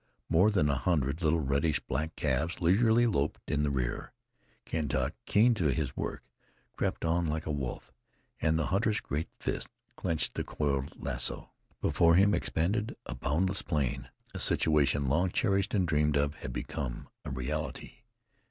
More than a hundred little reddish black calves leisurely loped in the rear. Kentuck, keen to his work, crept on like a wolf, and the hunter's great fist clenched the coiled lasso. Before him expanded a boundless plain. A situation long cherished and dreamed of had become a reality.